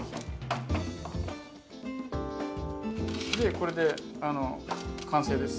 これで完成です。